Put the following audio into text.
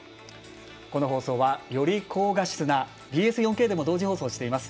この放送はより高画質なＢＳ４Ｋでも同時放送しています。